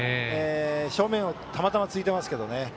正面をたまたま突いてますけどね。